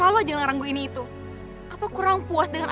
lo kan gak tau siapa alden